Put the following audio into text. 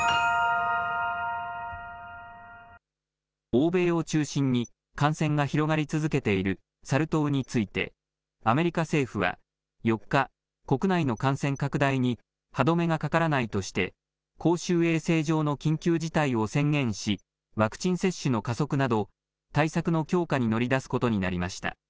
欧米を中心に感染が広がり続けているサル痘についてアメリカ政府は４日、国内の感染拡大に歯止めがかからないとして公衆衛生上の緊急事態を宣言しワクチン接種の加速など対策の強化に乗り出すことになりました。